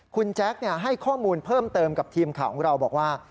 คุณแจ๊คให้ข้อมูลเพิ่มเติมกับทีมข่าวของเราบอกว่า